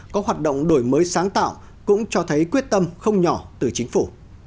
có hoạt động đổi mới sáng tạo cũng cho thấy quyết tâm không nhỏ từ chính phủ